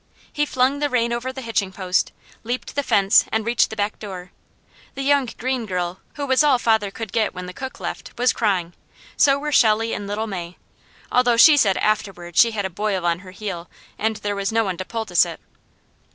He flung the rein over the hitching post, leaped the fence and reached the back door. The young green girl, who was all father could get when the cook left, was crying. So were Shelley and little May, although she said afterward she had a boil on her heel and there was no one to poultice it.